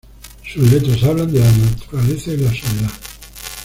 Sus letras hablan de la naturaleza y la soledad.